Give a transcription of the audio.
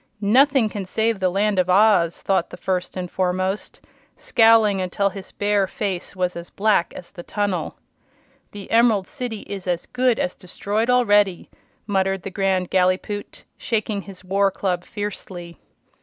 "Nothing can save the Land of Oz!" thought the First and Foremost, scowling until his bear face was as black as the tunnel. "The Emerald City is as good as destroyed already!" muttered the Grand Gallipoot, shaking his war club fiercely.